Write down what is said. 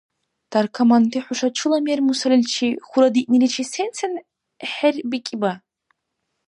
Таркаманти хӀуша чула мер-мусаличи хьурадиъниличи сен-сен хӀербикӀиба?